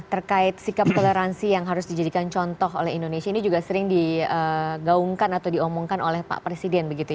terkait sikap toleransi yang harus dijadikan contoh oleh indonesia ini juga sering digaungkan atau diomongkan oleh pak presiden begitu ya